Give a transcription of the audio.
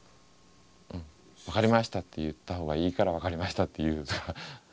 「分かりました」って言った方がいいから「分かりました」って言うとか。